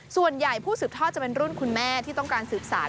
ส่วนใหญ่ผู้สืบทอดจะเป็นรุ่นคุณแม่ที่ต้องการสืบสาร